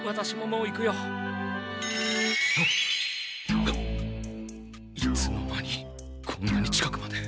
ハッいつの間にこんなに近くまで。